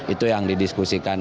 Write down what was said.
itu yang didiskusikan